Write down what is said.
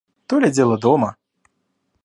То ли дело дома!